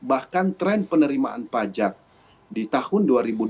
bahkan tren penerimaan pajak di tahun dua ribu dua puluh